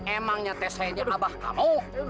emang nyetesainya abah kamu